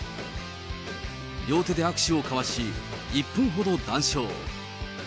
両手で握手を交わし、１分ほど談笑。